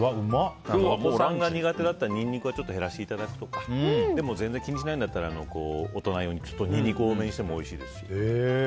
お子さんが苦手だったらニンニクを減らしていただくとか全然気にしないんだったら大人用にちょっとニンニク多めにしてもおいしいです。